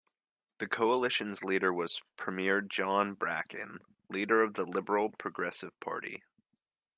The coalition's leader was Premier John Bracken, leader of the Liberal-Progressive Party.